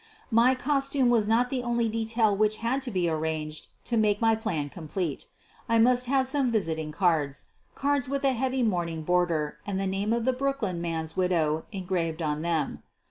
My costume was not the only detail which had to be arranged to make my plan complete. I must have some visiting cards — cards with a heavy mourning border and the name of the Brooklyn, man's widow engraved on them.